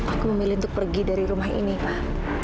aku memilih untuk pergi dari rumah ini pak